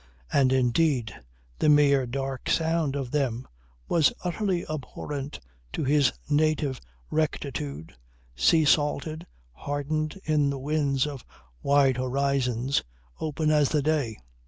And indeed the mere dark sound of them was utterly abhorrent to his native rectitude, sea salted, hardened in the winds of wide horizons, open as the day.